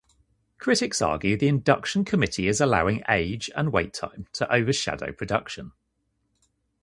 Critics argue the induction committee is allowing age and wait time to overshadow production.